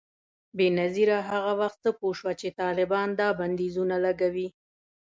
بېنظیره هغه وخت څه پوه شوه چي طالبان دا بندیزونه لګوي؟